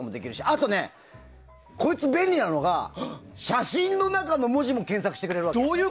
あとね、こいつ、便利なのが写真の中の文字も検索してくれるわけ。